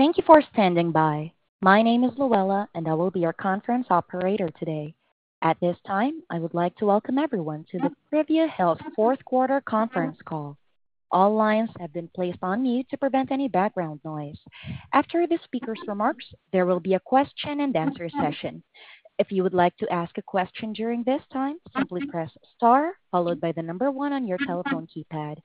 Thank you for standing by. My name is Luella, and I will be your conference operator today. At this time, I would like to welcome everyone to the Privia Health Fourth Quarter Conference Call. All lines have been placed on mute to prevent any background noise. After the speaker's remarks, there will be a question-and-answer session. If you would like to ask a question during this time, simply press star, followed by the number one on your telephone keypad.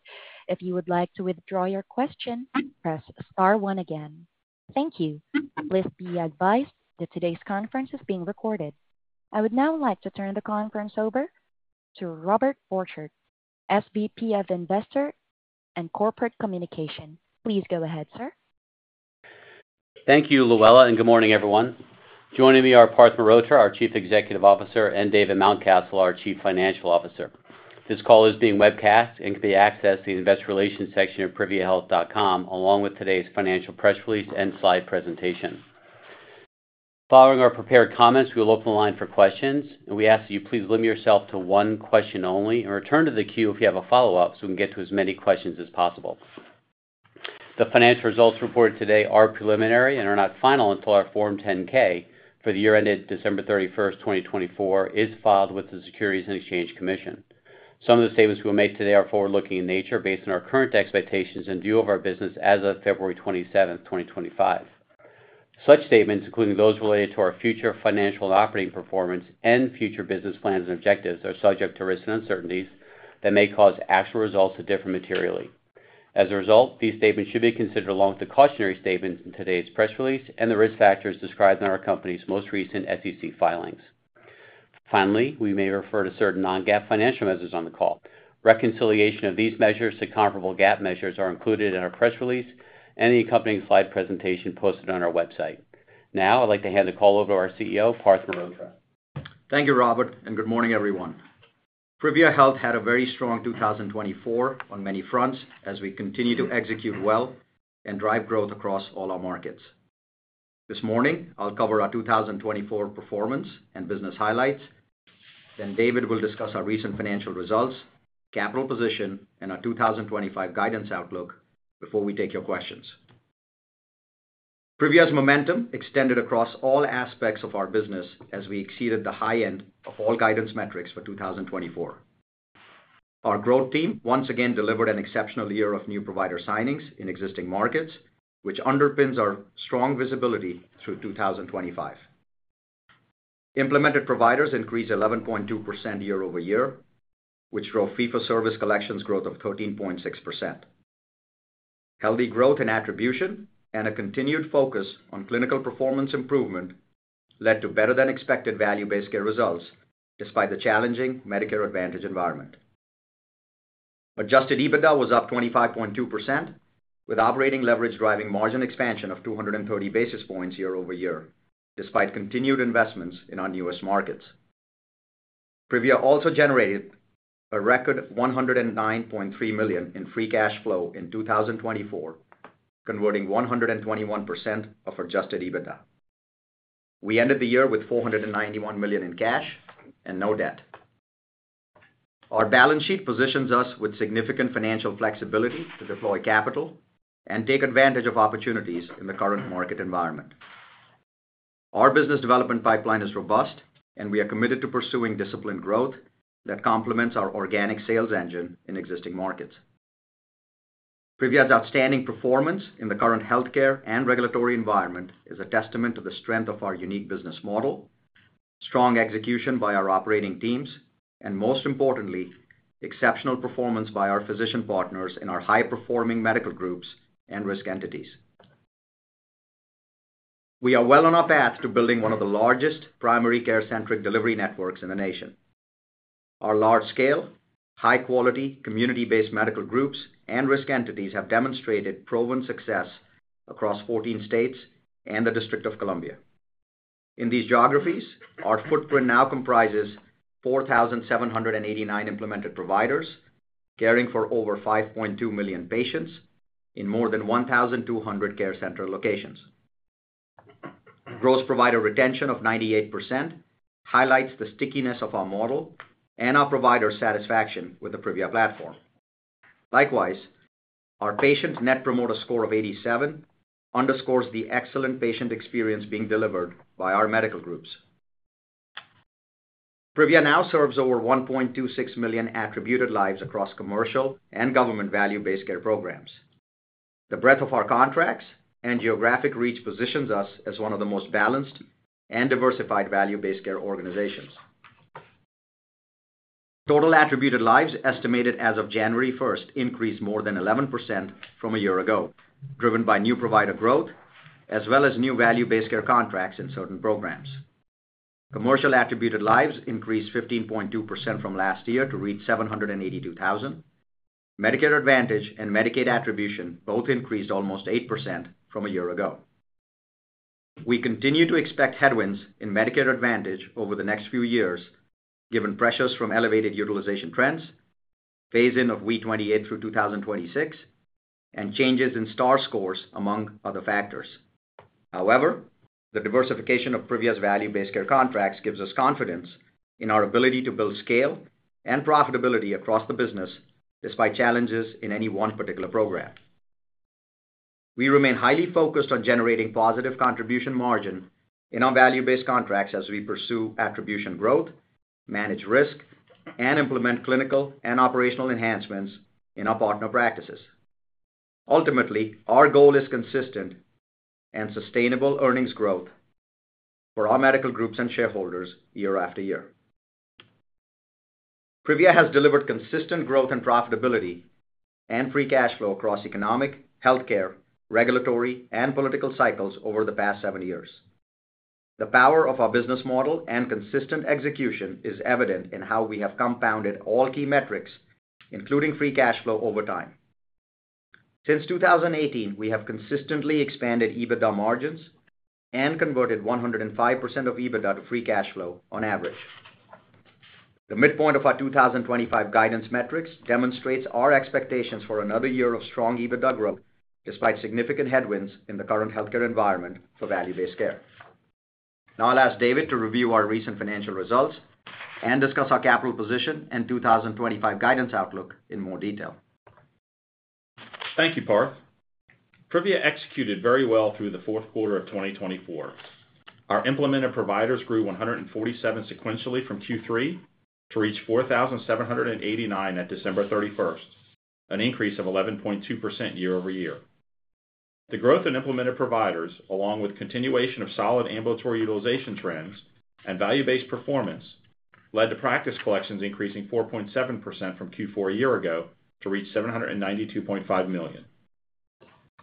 If you would like to withdraw your question, press star one again. Thank you. Please be advised that today's conference is being recorded. I would now like to turn the conference over to Robert Borchert, SVP of Investor and Corporate Communication. Please go ahead, sir. Thank you, Luella, and good morning, everyone. Joining me are Parth Mehrotra, our Chief Executive Officer, and David Mountcastle, our Chief Financial Officer. This call is being webcast and can be accessed in the Investor Relations section of priviahealth.com, along with today's financial press release and slide presentation. Following our prepared comments, we will open the line for questions. We ask that you please limit yourself to one question only and return to the queue if you have a follow-up so we can get to as many questions as possible. The financial results reported today are preliminary and are not final until our Form 10-K for the year ended December 31st, 2024, is filed with the Securities and Exchange Commission. Some of the statements we will make today are forward-looking in nature based on our current expectations and view of our business as of February 27th, 2025. Such statements, including those related to our future financial and operating performance and future business plans and objectives, are subject to risks and uncertainties that may cause actual results to differ materially. As a result, these statements should be considered along with the cautionary statements in today's press release and the risk factors described in our company's most recent SEC filings. Finally, we may refer to certain non-GAAP financial measures on the call. Reconciliation of these measures to comparable GAAP measures is included in our press release and the accompanying slide presentation posted on our website. Now, I'd like to hand the call over to our CEO, Parth Mehrotra. Thank you, Robert, and good morning, everyone. Privia Health had a very strong 2024 on many fronts as we continue to execute well and drive growth across all our markets. This morning, I'll cover our 2024 performance and business highlights. Then David will discuss our recent financial results, capital position, and our 2025 guidance outlook before we take your questions. Privia's momentum extended across all aspects of our business as we exceeded the high end of all guidance metrics for 2024. Our growth team once again delivered an exceptional year of new provider signings in existing markets, which underpins our strong visibility through 2025. Implemented providers increased 11.2% year-over-year, which drove fee-for-service collections growth of 13.6%. Healthy growth and attribution and a continued focus on clinical performance improvement led to better-than-expected value-based care results despite the challenging Medicare Advantage environment. Adjusted EBITDA was up 25.2%, with operating leverage driving margin expansion of 230 basis points year-over-year, despite continued investments in our newest markets. Privia also generated a record $109.3 million in free cash flow in 2024, converting 121% of adjusted EBITDA. We ended the year with $491 million in cash and no debt. Our balance sheet positions us with significant financial flexibility to deploy capital and take advantage of opportunities in the current market environment. Our business development pipeline is robust, and we are committed to pursuing disciplined growth that complements our organic sales engine in existing markets. Privia's outstanding performance in the current healthcare and regulatory environment is a testament to the strength of our unique business model, strong execution by our operating teams, and most importantly, exceptional performance by our physician partners in our high-performing medical groups and risk entities. We are well on our path to building one of the largest primary care-centric delivery networks in the nation. Our large-scale, high-quality, community-based medical groups and risk entities have demonstrated proven success across 14 states and the District of Columbia. In these geographies, our footprint now comprises 4,789 implemented providers caring for over 5.2 million patients in more than 1,200 care center locations. Gross provider retention of 98% highlights the stickiness of our model and our provider satisfaction with the Privia platform. Likewise, our patient Net Promoter Score of 87 underscores the excellent patient experience being delivered by our medical groups. Privia now serves over 1.26 million attributed lives across commercial and government value-based care programs. The breadth of our contracts and geographic reach positions us as one of the most balanced and diversified value-based care organizations. Total attributed lives estimated as of January 1st increased more than 11% from a year ago, driven by new provider growth as well as new value-based care contracts in certain programs. Commercial attributed lives increased 15.2% from last year to reach 782,000. Medicare Advantage and Medicaid attribution both increased almost 8% from a year ago. We continue to expect headwinds in Medicare Advantage over the next few years, given pressures from elevated utilization trends, phase-in of V28 through 2026, and changes in Star scores, among other factors. However, the diversification of Privia's value-based care contracts gives us confidence in our ability to build scale and profitability across the business despite challenges in any one particular program. We remain highly focused on generating positive contribution margin in our value-based contracts as we pursue attribution growth, manage risk, and implement clinical and operational enhancements in our partner practices. Ultimately, our goal is consistent and sustainable earnings growth for our medical groups and shareholders year after year. Privia has delivered consistent growth and profitability and free cash flow across economic, healthcare, regulatory, and political cycles over the past seven years. The power of our business model and consistent execution is evident in how we have compounded all key metrics, including free cash flow over time. Since 2018, we have consistently expanded EBITDA margins and converted 105% of EBITDA to free cash flow on average. The midpoint of our 2025 guidance metrics demonstrates our expectations for another year of strong EBITDA growth despite significant headwinds in the current healthcare environment for value-based care. Now I'll ask David to review our recent financial results and discuss our capital position and 2025 guidance outlook in more detail. Thank you, Parth. Privia executed very well through the fourth quarter of 2024. Our implemented providers grew 147 sequentially from Q3 to reach 4,789 at December 31st, an increase of 11.2% year-over-year. The growth in implemented providers, along with continuation of solid ambulatory utilization trends and value-based performance, led to practice collections increasing 4.7% from Q4 a year ago to reach $792.5 million.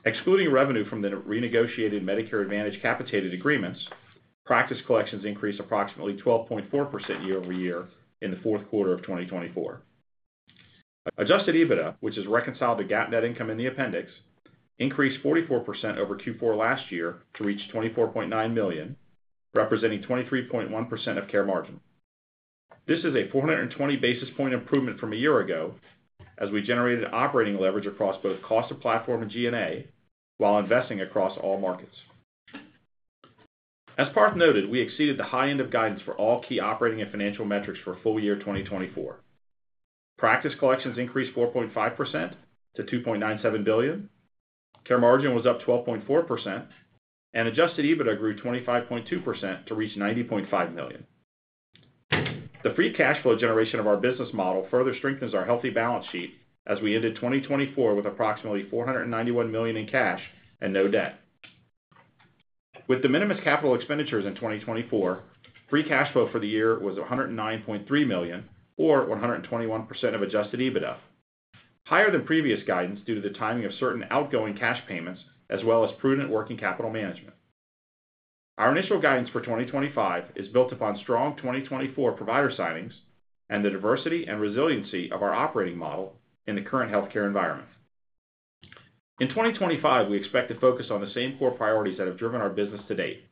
Excluding revenue from the renegotiated Medicare Advantage capitated agreements, practice collections increased approximately 12.4% year-over-year in the fourth quarter of 2024. Adjusted EBITDA, which is reconciled to GAAP net income in the appendix, increased 44% over Q4 last year to reach $24.9 million, representing 23.1% of Care Margin. This is a 420 basis point improvement from a year ago as we generated operating leverage across both cost of platform and G&A while investing across all markets. As Parth noted, we exceeded the high end of guidance for all key operating and financial metrics for full year 2024. Practice collections increased 4.5% to $2.97 billion. Care Margin was up 12.4%, and adjusted EBITDA grew 25.2% to reach $90.5 million. The free cash flow generation of our business model further strengthens our healthy balance sheet as we ended 2024 with approximately $491 million in cash and no debt. With de minimis capital expenditures in 2024, free cash flow for the year was $109.3 million, or 121% of adjusted EBITDA, higher than previous guidance due to the timing of certain outgoing cash payments as well as prudent working capital management. Our initial guidance for 2025 is built upon strong 2024 provider signings and the diversity and resiliency of our operating model in the current healthcare environment. In 2025, we expect to focus on the same core priorities that have driven our business to date.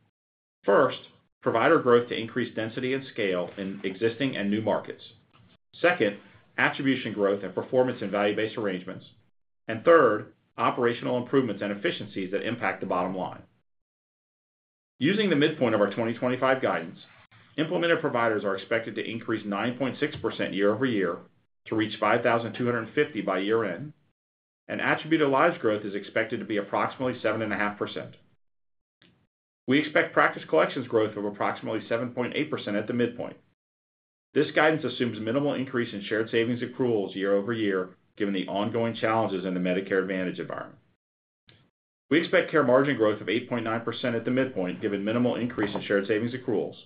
First, provider growth to increase density and scale in existing and new markets. Second, attribution growth and performance in value-based arrangements. And third, operational improvements and efficiencies that impact the bottom line. Using the midpoint of our 2025 guidance, implemented providers are expected to increase 9.6% year-over-year to reach 5,250 by year end, and attributed lives growth is expected to be approximately 7.5%. We expect practice collections growth of approximately 7.8% at the midpoint. This guidance assumes minimal increase in shared savings accruals year-over-year, given the ongoing challenges in the Medicare Advantage environment. We expect Care Margin growth of 8.9% at the midpoint, given minimal increase in shared savings accruals.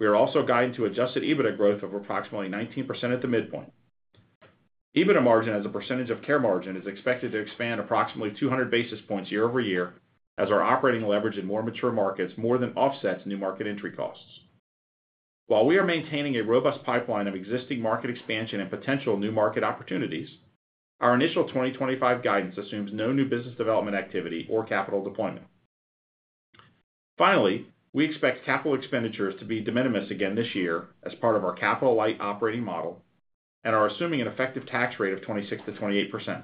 We are also guided to adjusted EBITDA growth of approximately 19% at the midpoint. EBITDA margin as a percentage of Care Margin is expected to expand approximately 200 basis points year-over-year as our operating leverage in more mature markets more than offsets new market entry costs. While we are maintaining a robust pipeline of existing market expansion and potential new market opportunities, our initial 2025 guidance assumes no new business development activity or capital deployment. Finally, we expect capital expenditures to be de minimis again this year as part of our capital-light operating model and are assuming an effective tax rate of 26%-28%.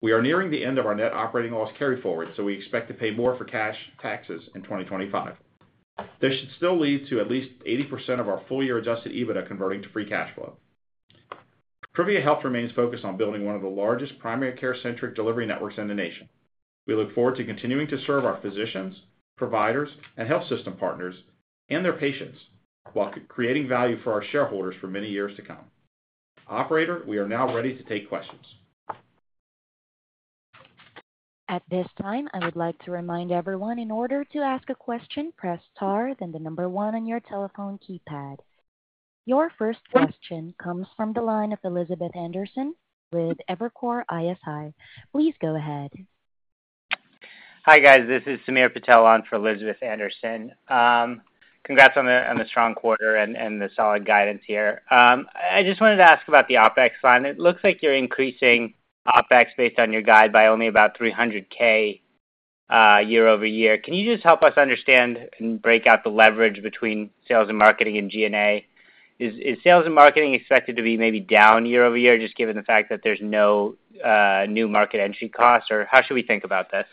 We are nearing the end of our net operating loss carry forward, so we expect to pay more for cash taxes in 2025. This should still lead to at least 80% of our full-year adjusted EBITDA converting to free cash flow. Privia Health remains focused on building one of the largest primary care-centric delivery networks in the nation. We look forward to continuing to serve our physicians, providers, and health system partners and their patients while creating value for our shareholders for many years to come. Operator, we are now ready to take questions. At this time, I would like to remind everyone, in order to ask a question, press star, then the number one on your telephone keypad. Your first question comes from the line of Elizabeth Anderson with Evercore ISI. Please go ahead. Hi guys, this is Sameer Patel on for Elizabeth Anderson. Congrats on the strong quarter and the solid guidance here. I just wanted to ask about the OpEx line. It looks like you're increasing OpEx based on your guide by only about $300,000 year-over-year. Can you just help us understand and break out the leverage between sales and marketing and G&A? Is sales and marketing expected to be maybe down year-over-year, just given the fact that there's no new market entry costs? Or how should we think about this?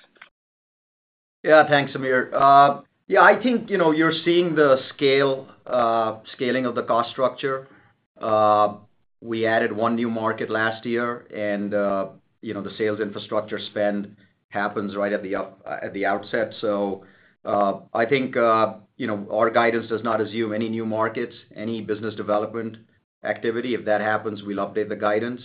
Yeah, thanks, Sameer. Yeah, I think you're seeing the scaling of the cost structure. We added one new market last year, and the sales infrastructure spend happens right at the outset. So I think our guidance does not assume any new markets, any business development activity. If that happens, we'll update the guidance.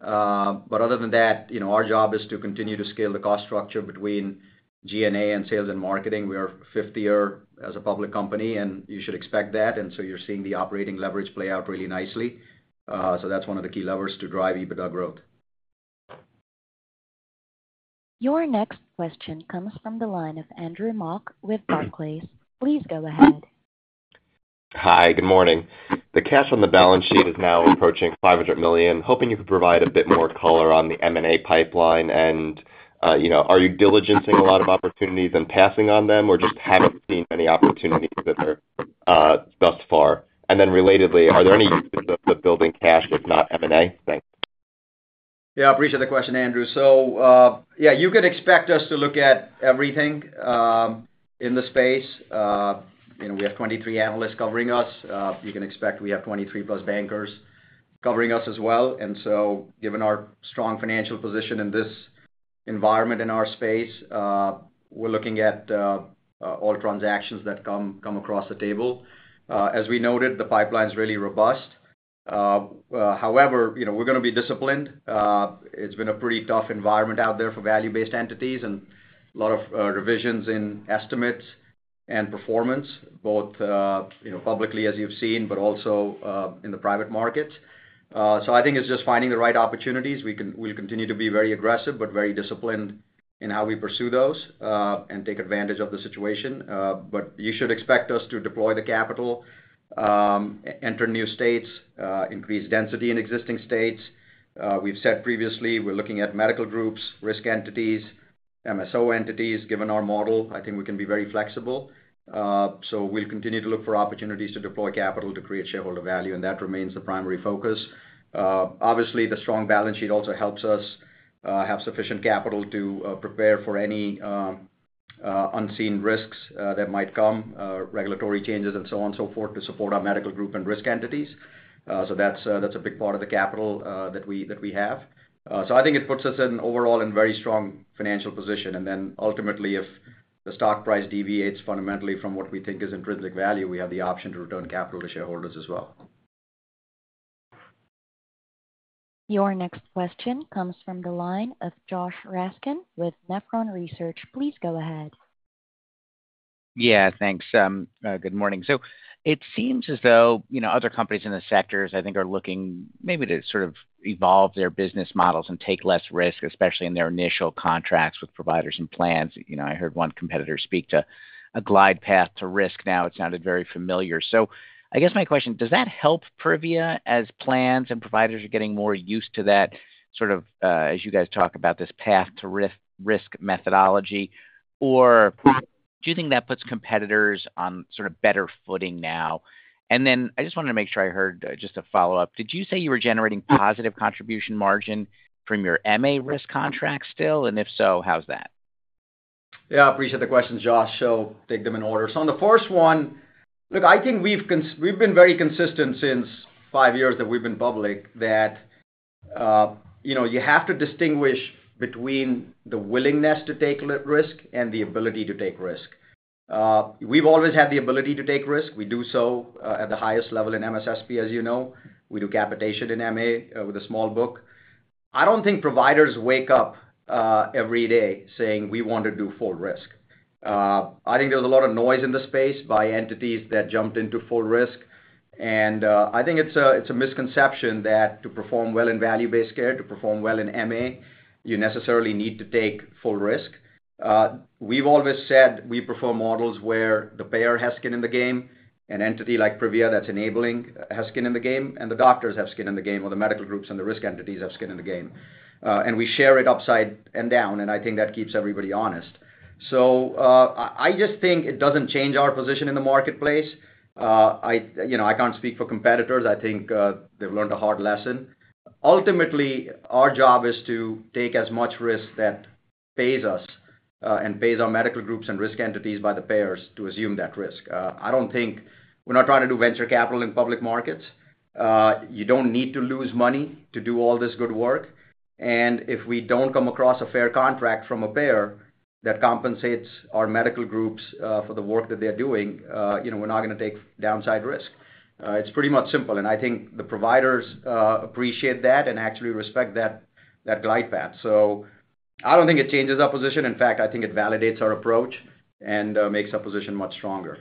But other than that, our job is to continue to scale the cost structure between G&A and sales and marketing. We are fifth year as a public company, and you should expect that. And so you're seeing the operating leverage play out really nicely. So that's one of the key levers to drive EBITDA growth. Your next question comes from the line of Andrew Mok with Barclays. Please go ahead. Hi, good morning. The cash on the balance sheet is now approaching $500 million. Hoping you could provide a bit more color on the M&A pipeline. And are you diligencing a lot of opportunities and passing on them, or just haven't seen any opportunities that are thus far? And then relatedly, are there any uses of building cash, if not M&A? Thanks. Yeah, I appreciate the question, Andrew. So yeah, you can expect us to look at everything in the space. We have 23 analysts covering us. You can expect we have 23 plus bankers covering us as well. And so given our strong financial position in this environment in our space, we're looking at all transactions that come across the table. As we noted, the pipeline is really robust. However, we're going to be disciplined. It's been a pretty tough environment out there for value-based entities and a lot of revisions in estimates and performance, both publicly, as you've seen, but also in the private markets. So I think it's just finding the right opportunities. We'll continue to be very aggressive, but very disciplined in how we pursue those and take advantage of the situation. But you should expect us to deploy the capital, enter new states, increase density in existing states. We've said previously we're looking at medical groups, risk entities, MSO entities. Given our model, I think we can be very flexible. So we'll continue to look for opportunities to deploy capital to create shareholder value, and that remains the primary focus. Obviously, the strong balance sheet also helps us have sufficient capital to prepare for any unseen risks that might come, regulatory changes, and so on and so forth to support our medical group and risk entities. So that's a big part of the capital that we have. So I think it puts us overall in a very strong financial position. And then ultimately, if the stock price deviates fundamentally from what we think is intrinsic value, we have the option to return capital to shareholders as well. Your next question comes from the line of Josh Raskin with Nephron Research. Please go ahead. Yeah, thanks. Good morning. So it seems as though other companies in the sectors, I think, are looking maybe to sort of evolve their business models and take less risk, especially in their initial contracts with providers and plans. I heard one competitor speak to a glide path to risk. Now it sounded very familiar. So I guess my question, does that help Privia as plans and providers are getting more used to that sort of, as you guys talk about this path to risk methodology, or do you think that puts competitors on sort of better footing now? And then I just wanted to make sure I heard just a follow-up. Did you say you were generating positive contribution margin from your MA risk contracts still? And if so, how's that? Yeah, I appreciate the question, Josh. So take them in order. So on the first one, look, I think we've been very consistent since five years that we've been public that you have to distinguish between the willingness to take risk and the ability to take risk. We've always had the ability to take risk. We do so at the highest level in MSSP, as you know. We do capitation in MA with a small book. I don't think providers wake up every day saying, "We want to do full risk." I think there's a lot of noise in the space by entities that jumped into full risk. And I think it's a misconception that to perform well in value-based care, to perform well in MA, you necessarily need to take full risk. We've always said we prefer models where the payer has skin in the game, an entity like Privia that's enabling has skin in the game, and the doctors have skin in the game, or the medical groups and the risk entities have skin in the game, and we share it upside and down, and I think that keeps everybody honest, so I just think it doesn't change our position in the marketplace. I can't speak for competitors. I think they've learned a hard lesson. Ultimately, our job is to take as much risk that pays us and pays our medical groups and risk entities by the payers to assume that risk. I don't think we're not trying to do venture capital in public markets. You don't need to lose money to do all this good work. If we don't come across a fair contract from a payer that compensates our medical groups for the work that they're doing, we're not going to take downside risk. It's pretty much simple. I think the providers appreciate that and actually respect that glide path. So I don't think it changes our position. In fact, I think it validates our approach and makes our position much stronger.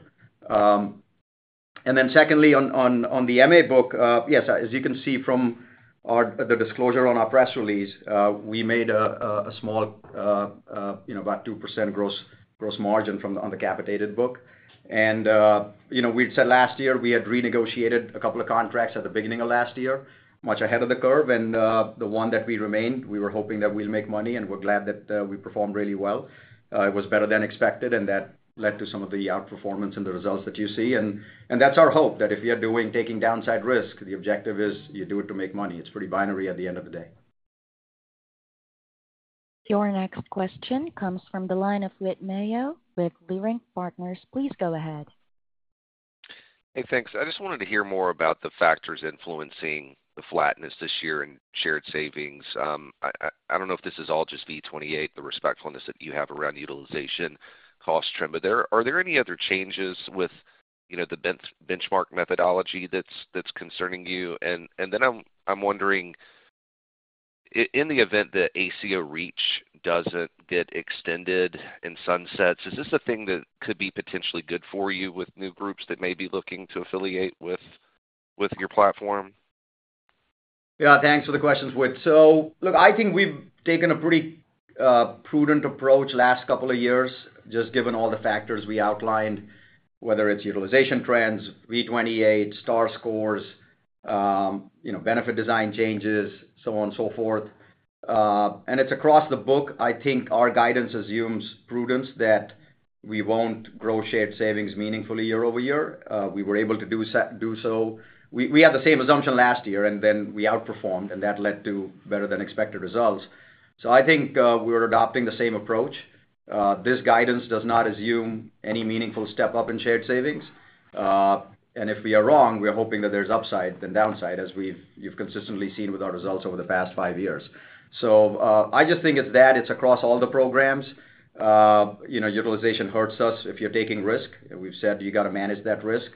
Then secondly, on the MA book, yes, as you can see from the disclosure on our press release, we made a small, about 2% gross margin on the capitated book. We'd said last year we had renegotiated a couple of contracts at the beginning of last year, much ahead of the curve. The one that we remained, we were hoping that we'll make money, and we're glad that we performed really well. It was better than expected, and that led to some of the outperformance and the results that you see. And that's our hope that if you're taking downside risk, the objective is you do it to make money. It's pretty binary at the end of the day. Your next question comes from the line of Whit Mayo with Leerink Partners. Please go ahead. Hey, thanks. I just wanted to hear more about the factors influencing the flatness this year in shared savings. I don't know if this is all just V28, the respectfulness that you have around utilization and cost trends. But are there any other changes with the benchmark methodology that's concerning you? And then I'm wondering, in the event that ACO REACH doesn't get extended or sunsets, is this a thing that could be potentially good for you with new groups that may be looking to affiliate with your platform? Yeah, thanks for the questions, Whit. So look, I think we've taken a pretty prudent approach the last couple of years, just given all the factors we outlined, whether it's utilization trends, V28, Star scores, benefit design changes, so on and so forth, and it's across the book. I think our guidance assumes prudence that we won't grow shared savings meaningfully year-over-year. We were able to do so. We had the same assumption last year, and then we outperformed, and that led to better-than-expected results, so I think we're adopting the same approach. This guidance does not assume any meaningful step up in shared savings, and if we are wrong, we're hoping that there's upside than downside, as you've consistently seen with our results over the past five years, so I just think it's that. It's across all the programs. Utilization hurts us if you're taking risk. We've said you got to manage that risk.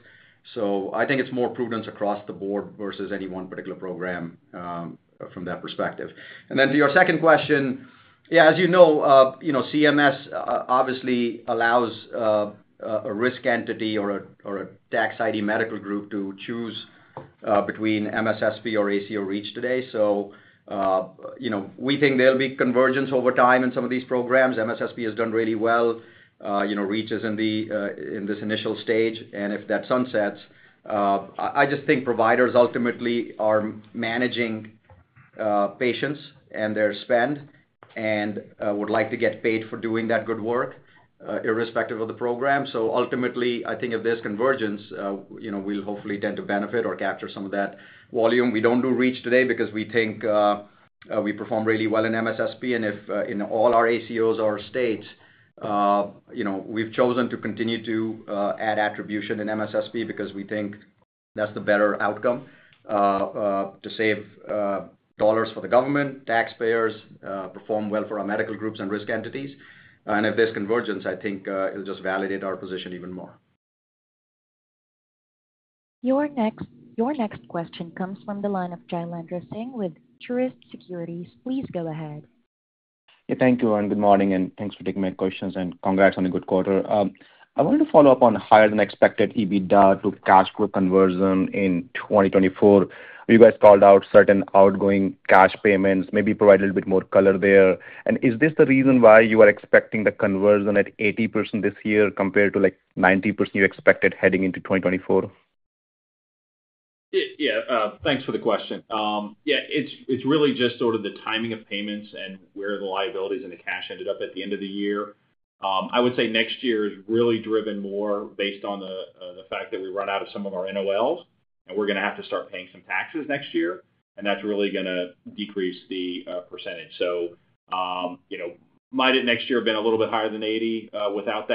So I think it's more prudence across the board versus any one particular program from that perspective. And then to your second question, yeah, as you know, CMS obviously allows a risk entity or a tax ID medical group to choose between MSSP or ACO REACH today. So we think there'll be convergence over time in some of these programs. MSSP has done really well. REACH is in this initial stage. And if that sunsets, I just think providers ultimately are managing patients and their spend and would like to get paid for doing that good work irrespective of the program. So ultimately, I think of this convergence, we'll hopefully tend to benefit or capture some of that volume. We don't do REACH today because we think we perform really well in MSSP. And if in all our ACOs or states, we've chosen to continue to add attribution in MSSP because we think that's the better outcome to save dollars for the government, taxpayers, perform well for our medical groups and risk entities. And if there's convergence, I think it'll just validate our position even more. Your next question comes from the line of Jailendra Singh with Truist Securities. Please go ahead. Yeah, thank you. And good morning, and thanks for taking my questions. And congrats on the good quarter. I wanted to follow up on higher-than-expected EBITDA to cash growth conversion in 2024. You guys called out certain outgoing cash payments, maybe provide a little bit more color there. And is this the reason why you are expecting the conversion at 80% this year compared to like 90% you expected heading into 2024? Yeah, thanks for the question. Yeah, it's really just sort of the timing of payments and where the liabilities in the cash ended up at the end of the year. I would say next year is really driven more based on the fact that we run out of some of our NOLs, and we're going to have to start paying some taxes next year. And that's really going to decrease the percentage. So might it next year have been a little bit higher than 80% without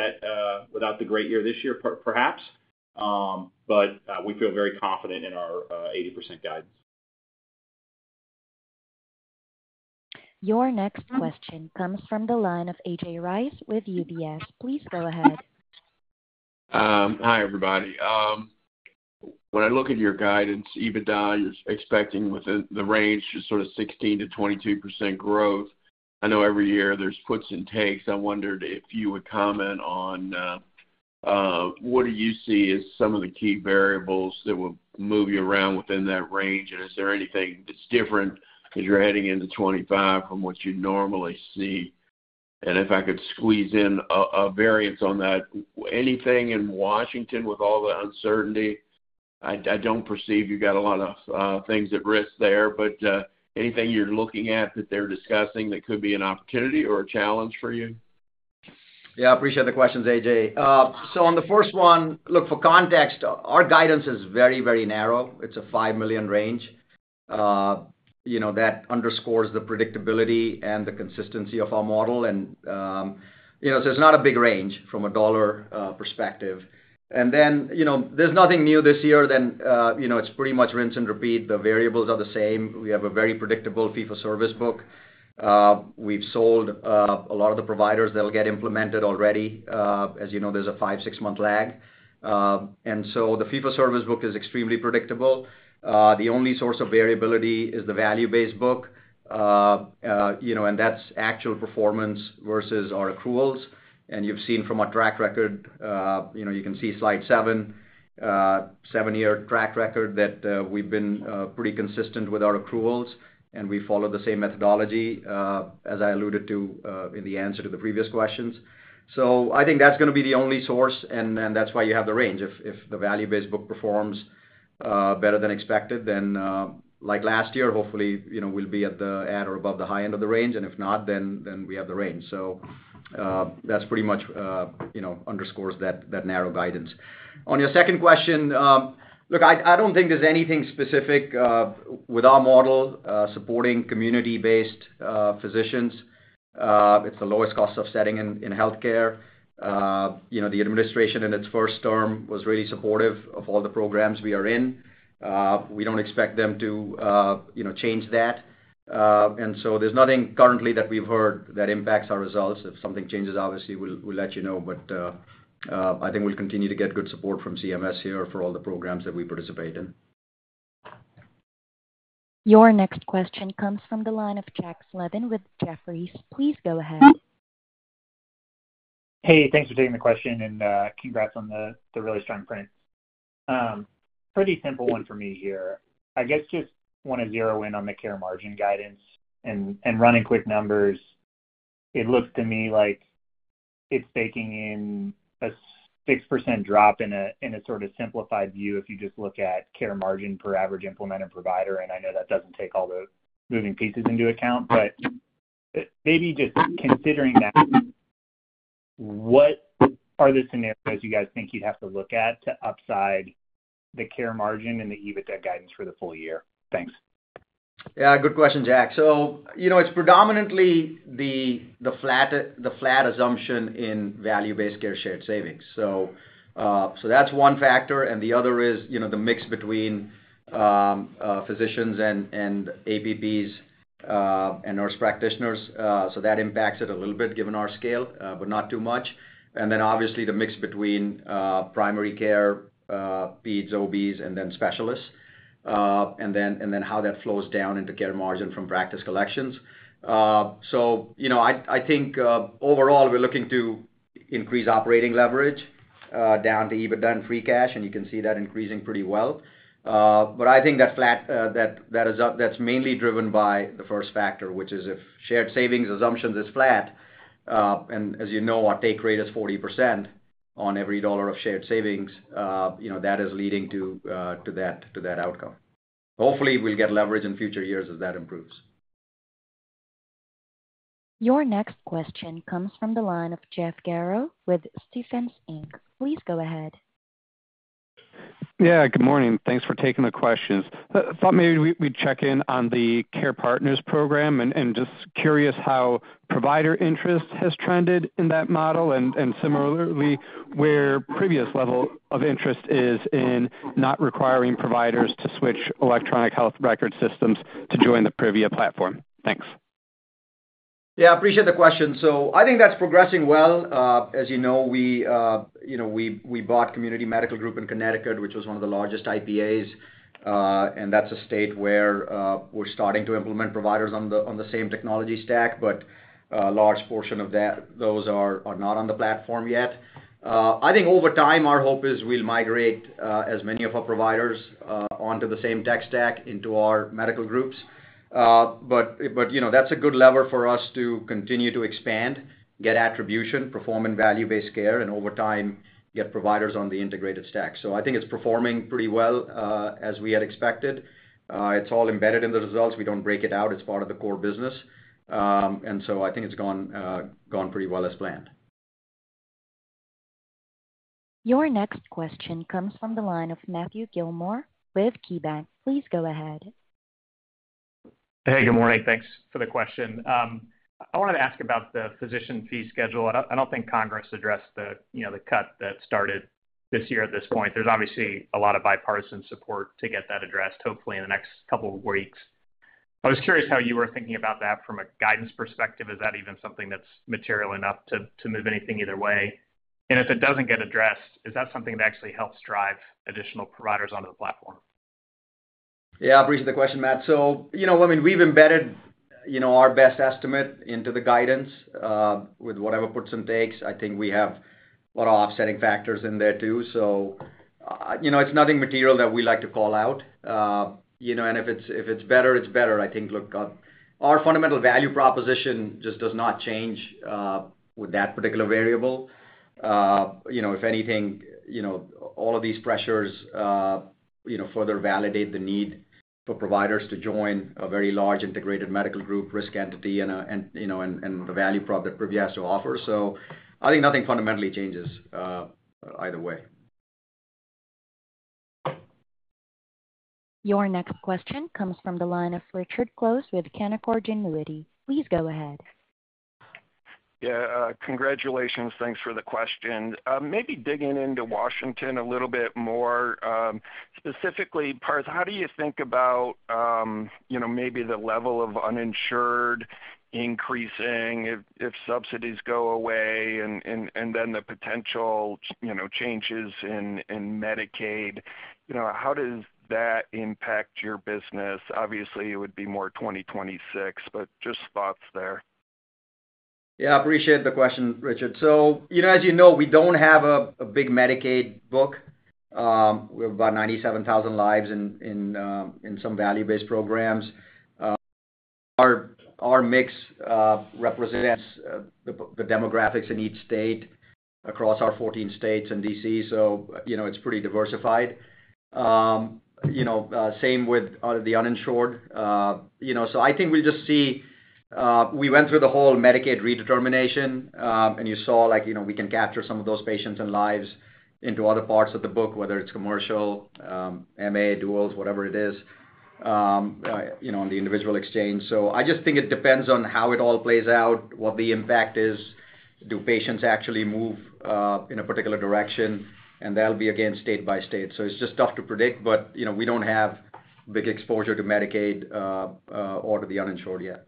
the great year this year, perhaps? But we feel very confident in our 80% guidance. Your next question comes from the line of AJ Rice with UBS. Please go ahead. Hi, everybody. When I look at your guidance, EBITDA, you're expecting within the range is sort of 16%-22% growth. I know every year there's puts and takes. I wondered if you would comment on what do you see as some of the key variables that will move you around within that range, and is there anything that's different because you're heading into 2025 from what you normally see? And if I could squeeze in a variance on that, anything in Washington with all the uncertainty, I don't perceive you've got a lot of things at risk there. But anything you're looking at that they're discussing that could be an opportunity or a challenge for you? Yeah, I appreciate the questions, AJ. So on the first one, look, for context, our guidance is very, very narrow. It's a $5 million range. That underscores the predictability and the consistency of our model. And so it's not a big range from a dollar perspective. And then there's nothing new this year than it's pretty much rinse and repeat. The variables are the same. We have a very predictable fee-for-service book. We've sold a lot of the providers that will get implemented already. As you know, there's a five, six-month lag. And so the fee-for-service book is extremely predictable. The only source of variability is the value-based book. And that's actual performance versus our accruals. And you've seen from our track record, you can see slide seven, seven-year track record that we've been pretty consistent with our accruals. We follow the same methodology, as I alluded to in the answer to the previous questions. So I think that's going to be the only source, and that's why you have the range. If the value-based book performs better than expected, then like last year, hopefully, we'll be at the add or above the high end of the range. And if not, then we have the range. So that's pretty much underscores that narrow guidance. On your second question, look, I don't think there's anything specific with our model supporting community-based physicians. It's the lowest cost of setting in healthcare. The administration in its first term was really supportive of all the programs we are in. We don't expect them to change that. And so there's nothing currently that we've heard that impacts our results. If something changes, obviously, we'll let you know. But I think we'll continue to get good support from CMS here for all the programs that we participate in. Your next question comes from the line of Jack Slevin with Jefferies. Please go ahead. Hey, thanks for taking the question, and congrats on the really strong print. Pretty simple one for me here. I guess just want to zero in on the Care Margin guidance. And running quick numbers, it looks to me like it's taking in a 6% drop in a sort of simplified view if you just look at Care Margin per average implemented provider. And I know that doesn't take all the moving pieces into account. But maybe just considering that, what are the scenarios you guys think you'd have to look at to upside the Care Margin and the EBITDA guidance for the full year? Thanks. Yeah, good question, Jack. So it's predominantly the flat assumption in value-based care shared savings. So that's one factor. And the other is the mix between physicians and APPs and nurse practitioners. So that impacts it a little bit given our scale, but not too much. And then obviously the mix between primary care, peds, OBs, and then specialists, and then how that flows down into Care Margin from practice collections. So I think overall, we're looking to increase operating leverage down to EBITDA and free cash, and you can see that increasing pretty well. But I think that's mainly driven by the first factor, which is if shared savings assumption is flat, and as you know, our take rate is 40% on every dollar of shared savings, that is leading to that outcome. Hopefully, we'll get leverage in future years as that improves. Your next question comes from the line of Jeff Garro with Stephens Inc. Please go ahead. Yeah, good morning. Thanks for taking the questions. Thought maybe we'd check in on the Care Partners Program and just curious how provider interest has trended in that model. And similarly, where previous level of interest is in not requiring providers to switch electronic health record systems to join the Privia Platform. Thanks. Yeah, I appreciate the question. So I think that's progressing well. As you know, we bought Community Medical Group in Connecticut, which was one of the largest IPAs. And that's a state where we're starting to implement providers on the same technology stack, but a large portion of those are not on the platform yet. I think over time, our hope is we'll migrate as many of our providers onto the same tech stack into our medical groups. But that's a good lever for us to continue to expand, get attribution, perform in value-based care, and over time, get providers on the integrated stack. So I think it's performing pretty well as we had expected. It's all embedded in the results. We don't break it out. It's part of the core business. And so I think it's gone pretty well as planned. Your next question comes from the line of Matthew Gillmor with KeyBanc. Please go ahead. Hey, good morning. Thanks for the question. I wanted to ask about the Physician Fee Schedule. I don't think Congress addressed the cut that started this year. At this point there are obviously a lot of moving pieces, but can you talk about how you're thinking about the impact for 2025 and whether anything has changed in your outlook as the year has gone on? Yeah, I appreciate the question, Matt. So I mean, we've embedded our best estimate into the guidance with whatever puts and takes. I think we have a lot of offsetting factors in there too. So it's nothing material that we like to call out. And if it's better, it's better. I think, look, our fundamental value proposition just does not change with that particular variable. If anything, all of these pressures further validate the need for providers to join a very large integrated medical group risk entity and the value prop that Privia has to offer. So I think nothing fundamentally changes either way. Your next question comes from the line of Richard Close with Canaccord Genuity. Please go ahead. Yeah, congratulations. Thanks for the question. Maybe digging into Washington a little bit more. Specifically, Parth, how do you think about maybe the level of uninsured increasing if subsidies go away and then the potential changes in Medicaid? How does that impact your business? Obviously, it would be more 2026, but just thoughts there. Yeah, I appreciate the question, Richard. So as you know, we don't have a big Medicaid book. We have about 97,000 lives in some value-based programs. Our mix represents the demographics in each state across our 14 states and DC. So it's pretty diversified. Same with the uninsured. So I think we'll just see we went through the whole Medicaid redetermination, and you saw we can capture some of those patients and lives into other parts of the book, whether it's commercial, MA, duals, whatever it is, on the individual exchange. So I just think it depends on how it all plays out, what the impact is. Do patients actually move in a particular direction, and that'll be, again, state by state. So it's just tough to predict, but we don't have big exposure to Medicaid or to the uninsured yet.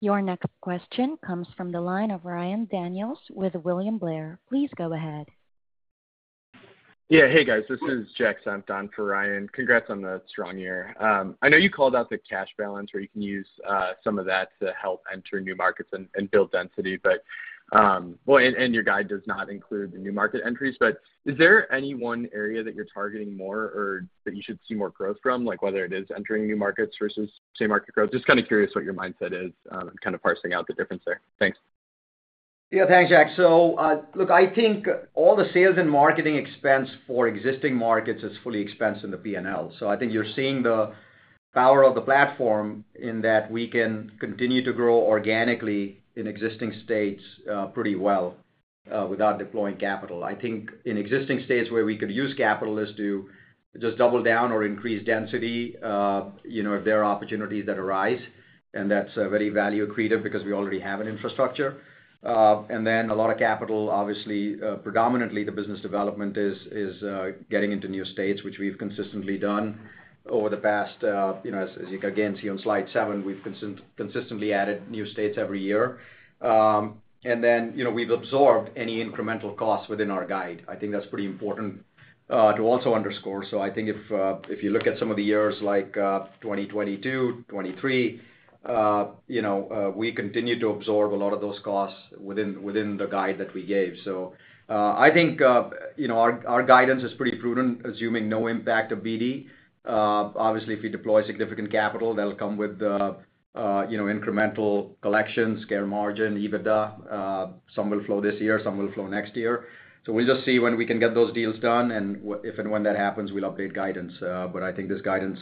Your next question comes from the line of Ryan Daniels with William Blair. Please go ahead. Yeah, hey, guys. This is Jack Senft for Ryan. Congrats on the strong year. I know you called out the cash balance, where you can use some of that to help enter new markets and build density, and your guide does not include the new market entries, but is there any one area that you're targeting more or that you should see more growth from, like whether it is entering new markets versus say market growth? Just kind of curious what your mindset is and kind of parsing out the difference there. Thanks. Yeah, thanks, Jack. So look, I think all the sales and marketing expense for existing markets is fully expensed in the P&L. So I think you're seeing the power of the platform in that we can continue to grow organically in existing states pretty well without deploying capital. I think in existing states where we could use capital is to just double down or increase density if there are opportunities that arise. And that's very value accretive because we already have an infrastructure. And then a lot of capital, obviously, predominantly the business development is getting into new states, which we've consistently done over the past, as you can again see on slide seven, we've consistently added new states every year. And then we've absorbed any incremental costs within our guide. I think that's pretty important to also underscore. So I think if you look at some of the years like 2022, 2023, we continue to absorb a lot of those costs within the guide that we gave. So I think our guidance is pretty prudent, assuming no impact of BD. Obviously, if we deploy significant capital, that'll come with incremental collections, Care Margin, EBITDA. Some will flow this year. Some will flow next year. So we'll just see when we can get those deals done. And if and when that happens, we'll update guidance. But I think this guidance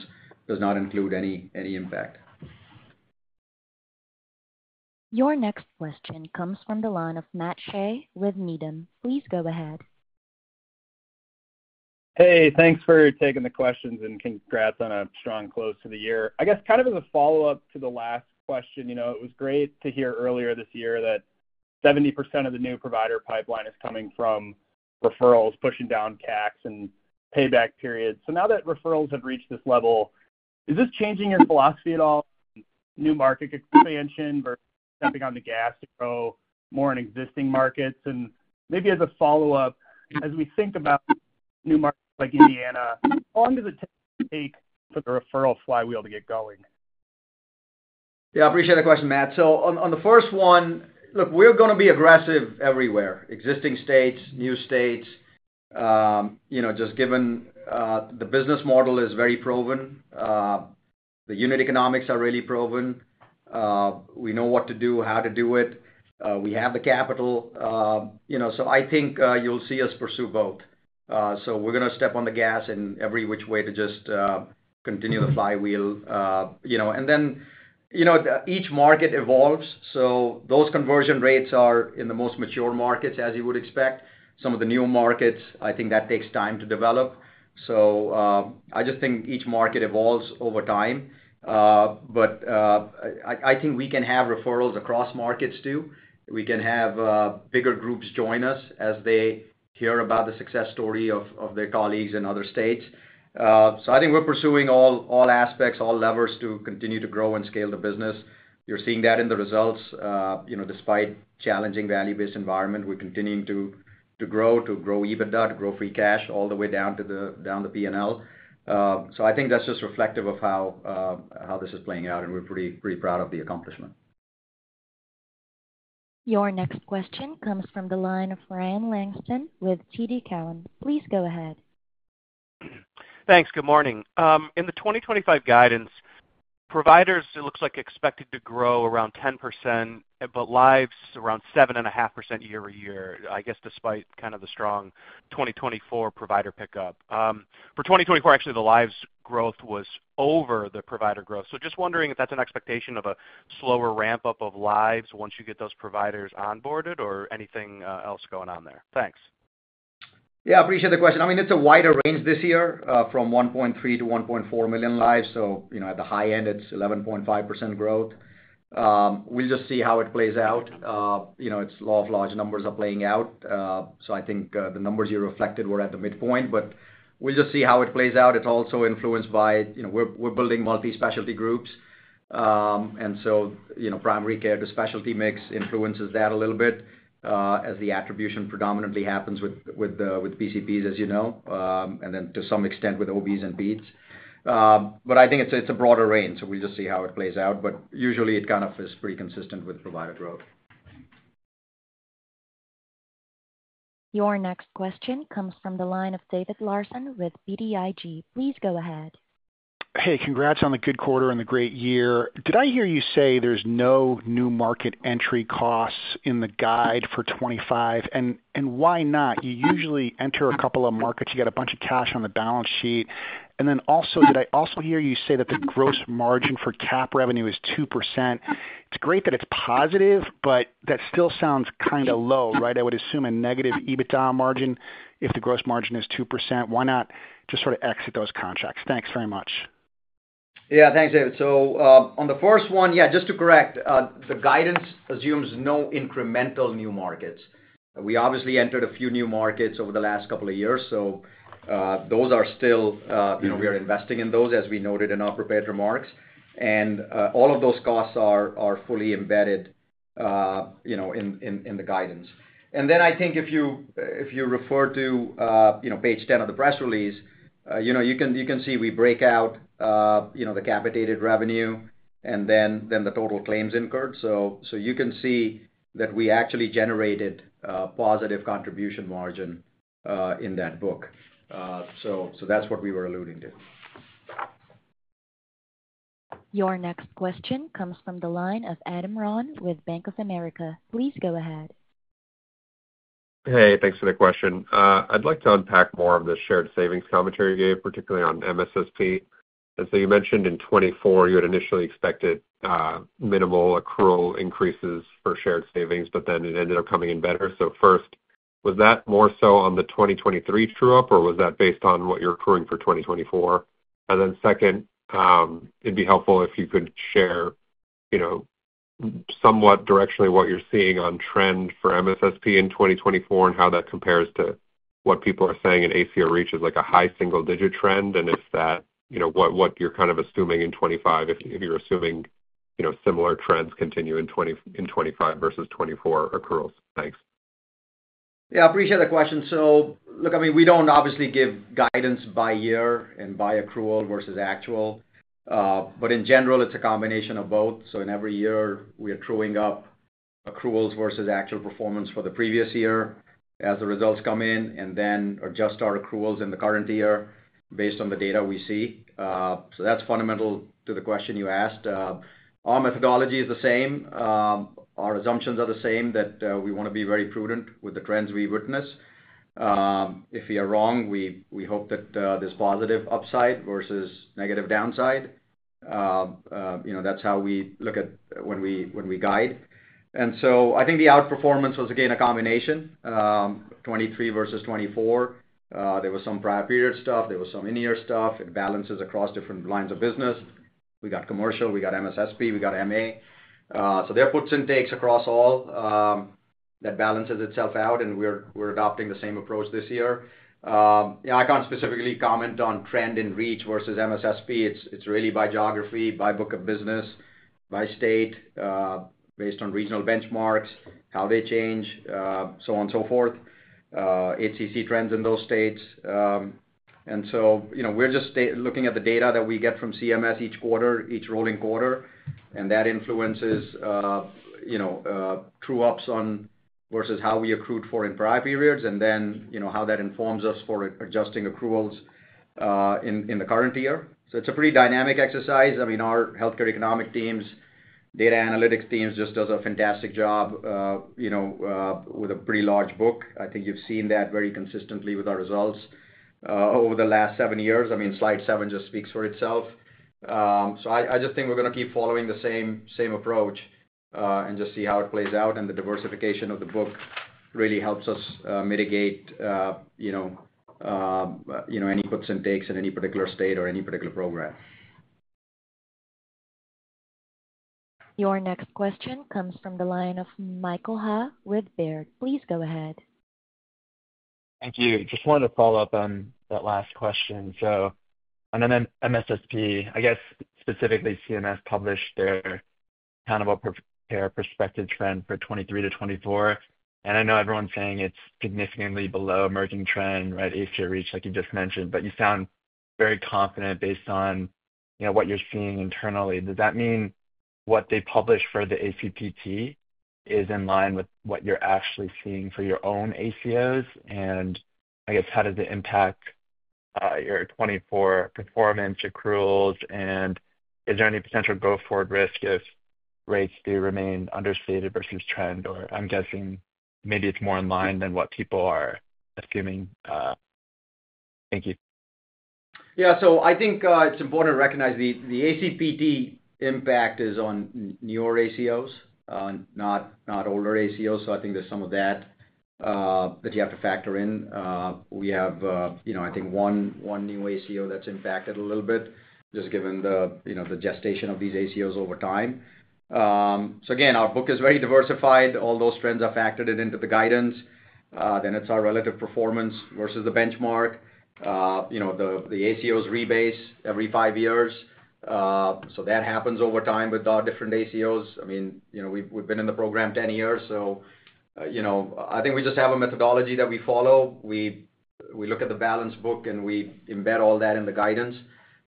does not include any impact. Your next question comes from the line of Matt Shea with Needham. Please go ahead. Hey, thanks for taking the questions and congrats on a strong close to the year. I guess kind of as a follow-up to the last question, it was great to hear earlier this year that 70% of the new provider pipeline is coming from referrals, pushing down CACs and payback periods. So now that referrals have reached this level, is this changing your philosophy at all? New market expansion versus stepping on the gas to go more in existing markets? And maybe as a follow-up, as we think about new markets like Indiana, how long does it take for the referral flywheel to get going? Yeah, I appreciate the question, Matt. So on the first one, look, we're going to be aggressive everywhere, existing states, new states. Just given the business model is very proven, the unit economics are really proven. We know what to do, how to do it. We have the capital, so I think you'll see us pursue both. We're going to step on the gas in every which way to just continue the flywheel, and then each market evolves. Those conversion rates are in the most mature markets, as you would expect. Some of the new markets, I think that takes time to develop, so I just think each market evolves over time. I think we can have referrals across markets too. We can have bigger groups join us as they hear about the success story of their colleagues in other states. So I think we're pursuing all aspects, all levers to continue to grow and scale the business. You're seeing that in the results. Despite challenging value-based environment, we're continuing to grow, to grow EBITDA, to grow free cash all the way down to the P&L. So I think that's just reflective of how this is playing out, and we're pretty proud of the accomplishment. Your next question comes from the line of Ryan Langston with TD Cowen. Please go ahead. Thanks. Good morning. In the 2025 guidance, providers, it looks like expected to grow around 10%, but lives around 7.5% year-over-year, I guess, despite kind of the strong 2024 provider pickup. For 2024, actually, the lives growth was over the provider growth. So just wondering if that's an expectation of a slower ramp-up of lives once you get those providers onboarded or anything else going on there? Thanks. Yeah, I appreciate the question. I mean, it's a wider range this year from 1.3-1.4 million lives. So at the high end, it's 11.5% growth. We'll just see how it plays out. It's law of large numbers are playing out. So I think the numbers you reflected were at the midpoint, but we'll just see how it plays out. It's also influenced by we're building multi-specialty groups. And so primary care to specialty mix influences that a little bit as the attribution predominantly happens with PCPs, as you know, and then to some extent with OBs and peds. But I think it's a broader range. So we'll just see how it plays out. But usually, it kind of is pretty consistent with provider growth. Your next question comes from the line of David Larsen with BTIG. Please go ahead. Hey, congrats on the good quarter and the great year. Did I hear you say there's no new market entry costs in the guide for 2025? And why not? You usually enter a couple of markets. You got a bunch of cash on the balance sheet. And then also, did I also hear you say that the gross margin for cap revenue is 2%? It's great that it's positive, but that still sounds kind of low, right? I would assume a negative EBITDA margin if the gross margin is 2%. Why not just sort of exit those contracts? Thanks very much. Yeah, thanks, David. So on the first one, yeah, just to correct, the guidance assumes no incremental new markets. We obviously entered a few new markets over the last couple of years. So those are still we are investing in those, as we noted in our prepared remarks. And all of those costs are fully embedded in the guidance. And then I think if you refer to page 10 of the press release, you can see we break out the capitated revenue and then the total claims incurred. So you can see that we actually generated a positive contribution margin in that book. So that's what we were alluding to. Your next question comes from the line of Adam Ron with Bank of America. Please go ahead. Hey, thanks for the question. I'd like to unpack more of the shared savings commentary you gave, particularly on MSSP. And so you mentioned in 2024, you had initially expected minimal accrual increases for shared savings, but then it ended up coming in better. So first, was that more so on the 2023 true-up, or was that based on what you're accruing for 2024? And then second, it'd be helpful if you could share somewhat directionally what you're seeing on trend for MSSP in 2024 and how that compares to what people are saying in ACO REACH is like a high single-digit trend. And is that what you're kind of assuming in 2025, if you're assuming similar trends continue in 2025 versus 2024 accruals. Thanks. Yeah, I appreciate the question. So look, I mean, we don't obviously give guidance by year and by accrual versus actual. But in general, it's a combination of both. So in every year, we are truing up accruals versus actual performance for the previous year as the results come in and then adjust our accruals in the current year based on the data we see. So that's fundamental to the question you asked. Our methodology is the same. Our assumptions are the same that we want to be very prudent with the trends we witness. If we are wrong, we hope that there's positive upside versus negative downside. That's how we look at when we guide. And so I think the outperformance was, again, a combination of 2023 versus 2024. There was some prior period stuff. There was some in-year stuff. It balances across different lines of business. We got commercial. We got MSSP. We got MA. So there are puts and takes across all that balances itself out, and we're adopting the same approach this year. Yeah, I can't specifically comment on trend in reach versus MSSP. It's really by geography, by book of business, by state, based on regional benchmarks, how they change, so on and so forth, HCC trends in those states. And so we're just looking at the data that we get from CMS each quarter, each rolling quarter, and that influences true-ups on versus how we accrued for in prior periods and then how that informs us for adjusting accruals in the current year. So it's a pretty dynamic exercise. I mean, our healthcare economic teams, data analytics teams just does a fantastic job with a pretty large book. I think you've seen that very consistently with our results over the last seven years. I mean, slide seven just speaks for itself. So I just think we're going to keep following the same approach and just see how it plays out. And the diversification of the book really helps us mitigate any puts and takes in any particular state or any particular program. Your next question comes from the line of Michael Ha with Baird. Please go ahead. Thank you. Just wanted to follow up on that last question. So on MSSP, I guess specifically CMS published their Accountable Care Prospective Trend for 2023 to 2024. And I know everyone's saying it's significantly below emerging trend, right? ACO REACH, like you just mentioned, but you sound very confident based on what you're seeing internally. Does that mean what they publish for the ACPT is in line with what you're actually seeing for your own ACOs? And I guess, how does it impact your 2024 performance accruals? And is there any potential go-forward risk if rates do remain understated versus trend? Or I'm guessing maybe it's more in line than what people are assuming. Thank you. Yeah. So I think it's important to recognize the ACPT impact is on newer ACOs, not older ACOs. So I think there's some of that that you have to factor in. We have, I think, one new ACO that's impacted a little bit just given the gestation of these ACOs over time. So again, our book is very diversified. All those trends are factored into the guidance. Then it's our relative performance versus the benchmark. The ACOs rebase every five years. So that happens over time with our different ACOs. I mean, we've been in the program 10 years. So I think we just have a methodology that we follow. We look at the balance book, and we embed all that in the guidance.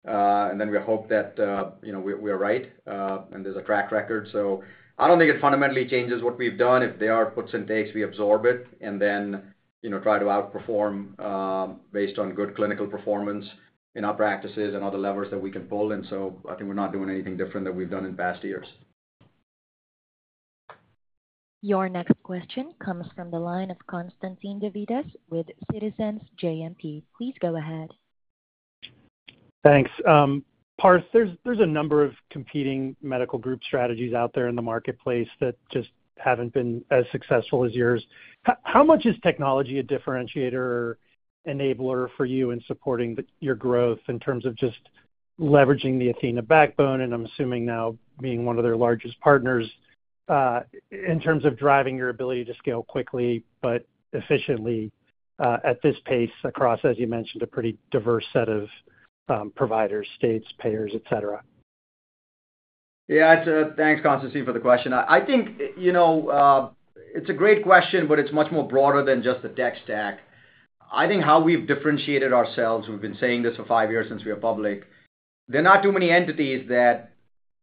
And then we hope that we're right and there's a track record. So I don't think it fundamentally changes what we've done. If there are puts and takes, we absorb it and then try to outperform based on good clinical performance in our practices and other levers that we can pull, and so I think we're not doing anything different than we've done in past years. Your next question comes from the line of Constantine Davides with Citizens JMP. Please go ahead. Thanks. Parth, there's a number of competing medical group strategies out there in the marketplace that just haven't been as successful as yours. How much is technology a differentiator or enabler for you in supporting your growth in terms of just leveraging the Athena backbone? And I'm assuming now being one of their largest partners in terms of driving your ability to scale quickly but efficiently at this pace across, as you mentioned, a pretty diverse set of providers, states, payers, etc.? Yeah. Thanks, Constantine, for the question. I think it's a great question, but it's much more broader than just the tech stack. I think how we've differentiated ourselves, we've been saying this for five years since we were public, there are not too many entities that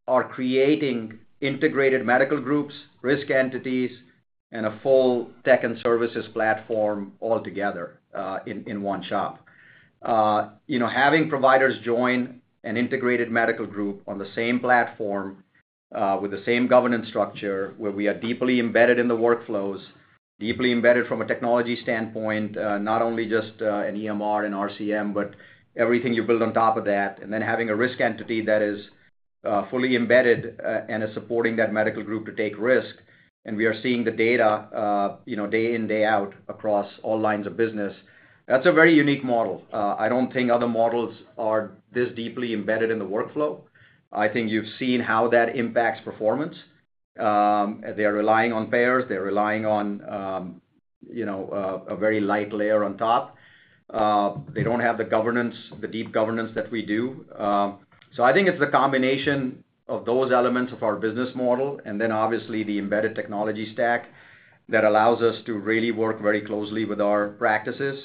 are creating integrated medical groups, risk entities, and a full tech and services platform altogether in one shop. Having providers join an integrated medical group on the same platform with the same governance structure where we are deeply embedded in the workflows, deeply embedded from a technology standpoint, not only just an EMR and RCM, but everything you build on top of that, and then having a risk entity that is fully embedded and is supporting that medical group to take risk. And we are seeing the data day in, day out across all lines of business. That's a very unique model. I don't think other models are this deeply embedded in the workflow. I think you've seen how that impacts performance. They are relying on payers. They're relying on a very light layer on top. They don't have the governance, the deep governance that we do. So I think it's the combination of those elements of our business model and then, obviously, the embedded technology stack that allows us to really work very closely with our practices,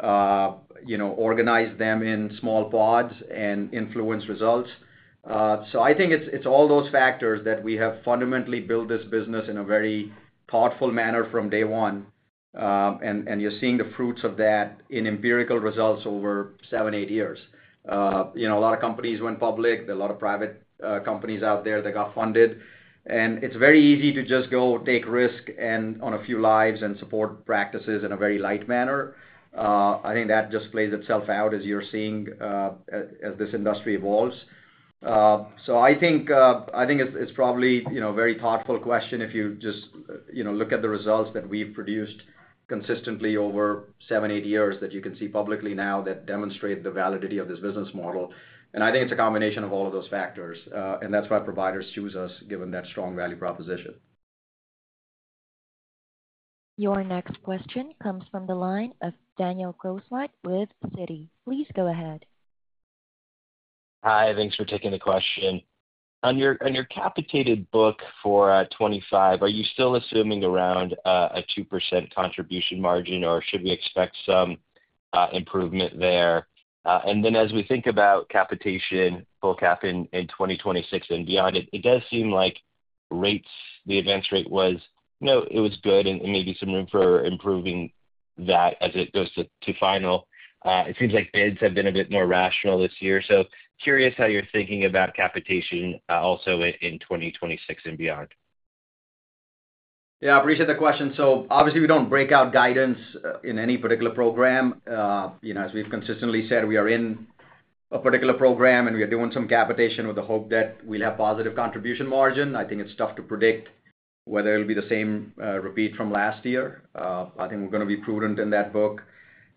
organize them in small pods, and influence results. So I think it's all those factors that we have fundamentally built this business in a very thoughtful manner from day one. And you're seeing the fruits of that in empirical results over seven, eight years. A lot of companies went public. There are a lot of private companies out there that got funded. It's very easy to just go take risk on a few lives and support practices in a very light manner. I think that just plays itself out as you're seeing as this industry evolves. I think it's probably a very thoughtful question if you just look at the results that we've produced consistently over seven, eight years that you can see publicly now that demonstrate the validity of this business model. I think it's a combination of all of those factors. That's why providers choose us given that strong value proposition. Your next question comes from the line of Daniel Grosslight with Citi. Please go ahead. Hi. Thanks for taking the question. On your capitated book for 2025, are you still assuming around a 2% contribution margin, or should we expect some improvement there? And then as we think about capitation, full cap in 2026 and beyond, it does seem like rates, the advance rate was, it was good, and maybe some room for improving that as it goes to final. It seems like bids have been a bit more rational this year. So curious how you're thinking about capitation also in 2026 and beyond. Yeah. I appreciate the question. So obviously, we don't break out guidance in any particular program. As we've consistently said, we are in a particular program, and we are doing some capitation with the hope that we'll have positive contribution margin. I think it's tough to predict whether it'll be the same repeat from last year. I think we're going to be prudent in that book.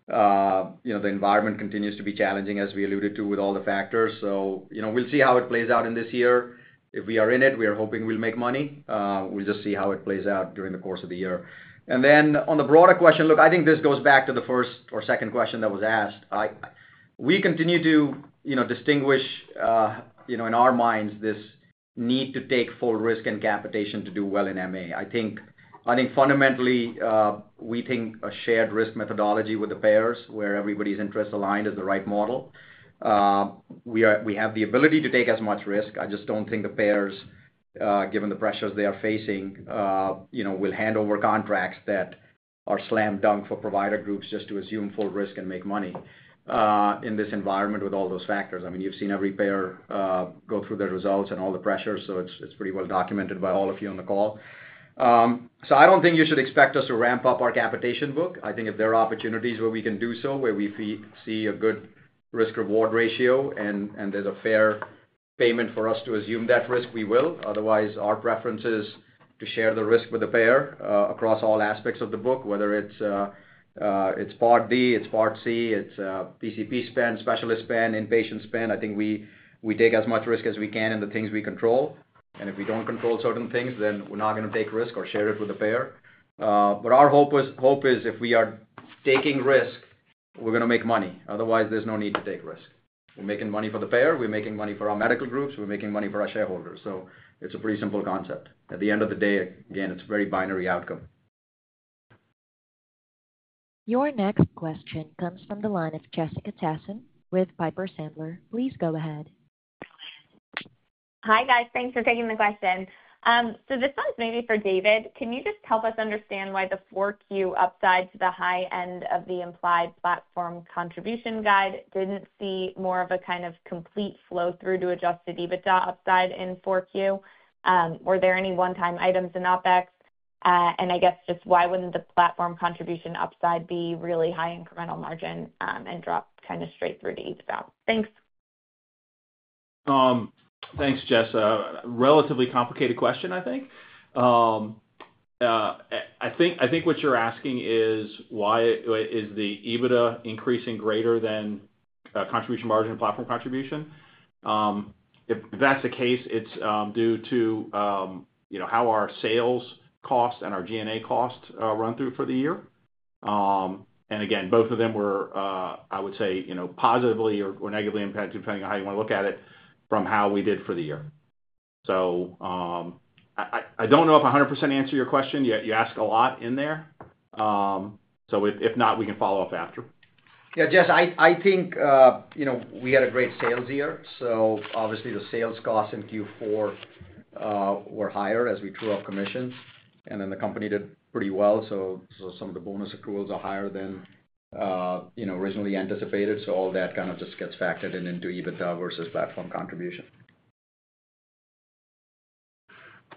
The environment continues to be challenging, as we alluded to, with all the factors. So we'll see how it plays out in this year. If we are in it, we are hoping we'll make money. We'll just see how it plays out during the course of the year, and then on the broader question, look, I think this goes back to the first or second question that was asked. We continue to distinguish in our minds this need to take full risk and capitation to do well in MA. I think fundamentally, we think a shared risk methodology with the payers where everybody's interests aligned is the right model. We have the ability to take as much risk. I just don't think the payers, given the pressures they are facing, will hand over contracts that are slam dunk for provider groups just to assume full risk and make money in this environment with all those factors. I mean, you've seen every payer go through their results and all the pressures. So it's pretty well documented by all of you on the call. So I don't think you should expect us to ramp up our capitation book. I think if there are opportunities where we can do so, where we see a good risk-reward ratio and there's a fair payment for us to assume that risk, we will. Otherwise, our preference is to share the risk with the payer across all aspects of the book, whether it's Part D, it's Part C, it's PCP spend, specialist spend, inpatient spend. I think we take as much risk as we can in the things we control. And if we don't control certain things, then we're not going to take risk or share it with the payer. But our hope is if we are taking risk, we're going to make money. Otherwise, there's no need to take risk. We're making money for the payer. We're making money for our medical groups. We're making money for our shareholders. So it's a pretty simple concept. At the end of the day, again, it's a very binary outcome. Your next question comes from the line of Jessica Tassan with Piper Sandler. Please go ahead. Hi, guys. Thanks for taking the question. So this one's maybe for David. Can you just help us understand why the 4Q upside to the high end of the implied Platform Contribution guide didn't see more of a kind of complete flow through to adjust the EBITDA upside in 4Q? Were there any one-time items in OPEX? And I guess just why wouldn't the Platform Contribution upside be really high incremental margin and drop kind of straight through to EBITDA? Thanks. Thanks, Jess. Relatively complicated question, I think. I think what you're asking is, why is the EBITDA increasing greater than contribution margin and Platform Contribution? If that's the case, it's due to how our sales costs and our G&A costs run through for the year. And again, both of them were, I would say, positively or negatively impacted, depending on how you want to look at it, from how we did for the year. So I don't know if I 100% answered your question. You asked a lot in there. So if not, we can follow up after. Yeah. Jess, I think we had a great sales year. So obviously, the sales costs in Q4 were higher as we drew up commissions. And then the company did pretty well. So some of the bonus accruals are higher than originally anticipated. So all that kind of just gets factored into EBITDA versus Platform Contribution.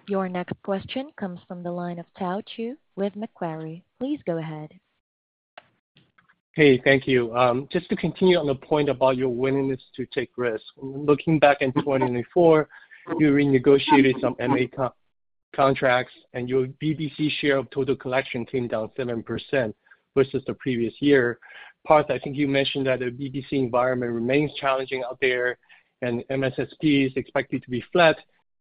Your next question comes from the line of Tao Qiu with Macquarie. Please go ahead. Hey, thank you. Just to continue on the point about your willingness to take risk. Looking back in 2024, you renegotiated some MA contracts, and your HCC share of total collection came down 7% versus the previous year. Parth, I think you mentioned that the HCC environment remains challenging out there, and MSSP is expected to be flat.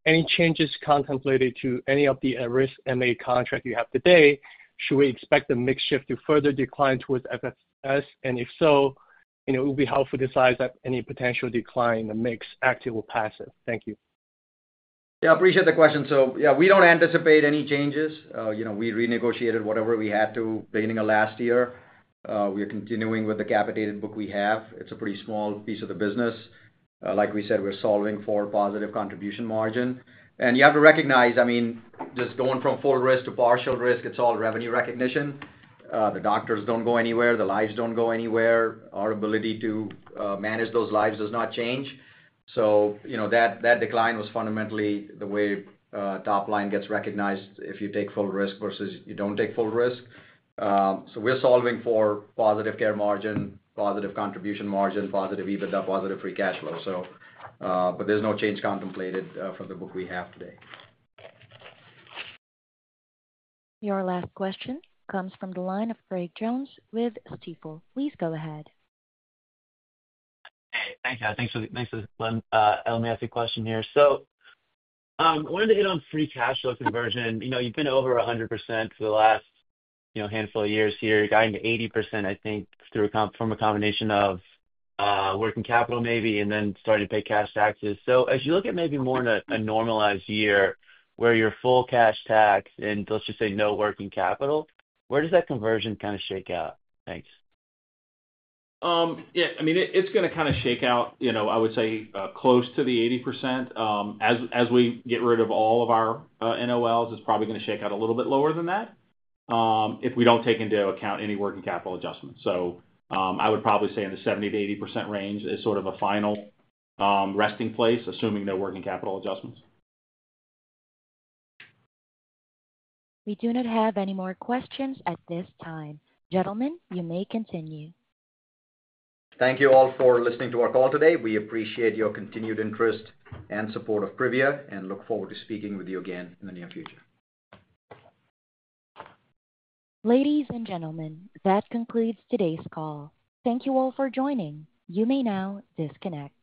Any changes contemplated to any of the at-risk MA contracts you have today? Should we expect the mix shift to further decline towards FFS? And if so, it would be helpful to size up any potential decline in the mix, active or passive. Thank you. Yeah. I appreciate the question. So yeah, we don't anticipate any changes. We renegotiated whatever we had to beginning of last year. We are continuing with the capitated book we have. It's a pretty small piece of the business. Like we said, we're solving for positive contribution margin. And you have to recognize, I mean, just going from full risk to partial risk, it's all revenue recognition. The doctors don't go anywhere. The lives don't go anywhere. Our ability to manage those lives does not change. So that decline was fundamentally the way top line gets recognized if you take full risk versus you don't take full risk. So we're solving for positive Care Margin, positive contribution margin, positive EBITDA, positive free cash flow. But there's no change contemplated for the book we have today. Your last question comes from the line of Craig Jones with Stifel. Please go ahead. Hey. Thanks. Thanks for letting me ask a question here. So I wanted to hit on free cash flow conversion. You've been over 100% for the last handful of years here. You got into 80%, I think, from a combination of working capital maybe and then starting to pay cash taxes. So as you look at maybe more in a normalized year where you're full cash tax and let's just say no working capital, where does that conversion kind of shake out? Thanks. Yeah. I mean, it's going to kind of shake out, I would say, close to the 80%. As we get rid of all of our NOLs, it's probably going to shake out a little bit lower than that if we don't take into account any working capital adjustments. So I would probably say in the 70%-80% range is sort of a final resting place, assuming no working capital adjustments. We do not have any more questions at this time. Gentlemen, you may continue. Thank you all for listening to our call today. We appreciate your continued interest and support of Privia and look forward to speaking with you again in the near future. Ladies and gentlemen, that concludes today's call. Thank you all for joining. You may now disconnect.